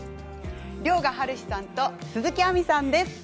遼河はるひさんと鈴木亜美さんです。